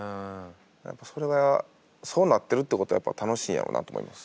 やっぱそれがそうなってるってことはやっぱ楽しいんやろうなって思います。